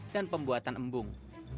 dan pembuatan embung